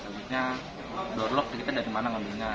selanjutnya door lock kita dari mana ngambilnya